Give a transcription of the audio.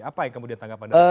apa yang kemudian tanggapan